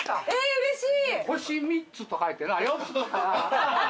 うれしい。